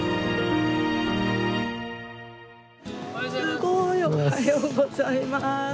すごい！おはようございます。